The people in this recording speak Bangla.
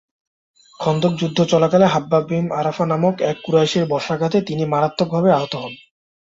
খন্দক যুদ্ধ চলাকালে হাব্বান বিন আরাফা নামক এক কুরাইশীর বর্শাঘাতে তিনি মারাত্মকভাবে আহত হন।